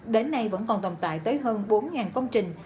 đến nay vẫn còn tồn tại tới hơn bốn công trình